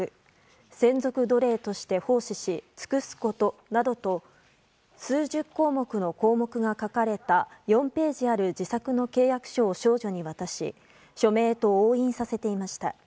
専属奴隷として奉仕し尽くすことなどと数十項目の項目が書かれた４ページある自作の契約書を少女に渡し署名と押印させていました。